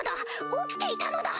起きていたのだ！